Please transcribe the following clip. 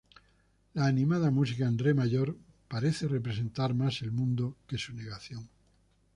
La animada música en re mayor parece representar más el "mundo" que su negación.